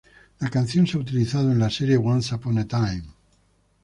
La canción se ha utilizado en la serie Once Upon a time.